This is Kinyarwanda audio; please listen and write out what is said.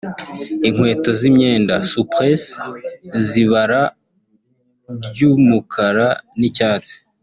inkweto z’imyenda (souplesse) z’ibara ry’umukara n’icyatsi